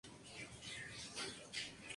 Los casamientos civiles se hicieron obligatorios.